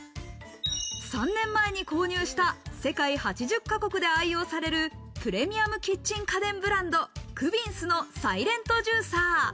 ３年前に購入した世界８０か国で愛用されるプレミアムキッチン家電ブランド、クビンスのサイレントジューサー。